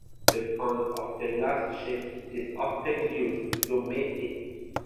The corn of the last sheaf is often used to make it.